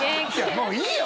もういいよ